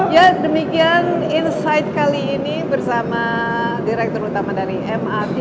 ya demikian insight kali ini bersama direktur utama dari mrt